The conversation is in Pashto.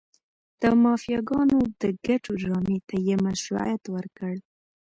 د مافیاګانو د ګټو ډرامې ته یې مشروعیت ورکړ.